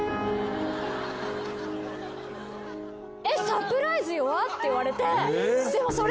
「サプライズ弱っ！」って言われて。